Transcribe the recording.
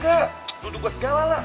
ck nudu gue segala lah